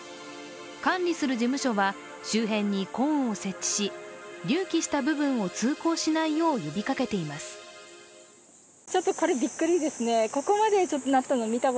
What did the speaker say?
管理する事務所は周辺にコーンを設置し、隆起した部分を、通行しないよう呼びかけています。